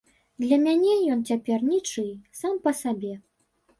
Для мяне ён цяпер нічый, сам па сабе.